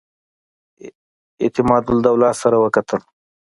اعتمادالدوله سره وکتل.